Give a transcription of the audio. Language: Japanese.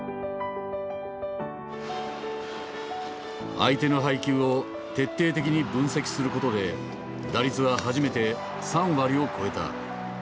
相手の配球を徹底的に分析することで打率は初めて３割を超えた。